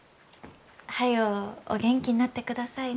早うお元気になってくださいね。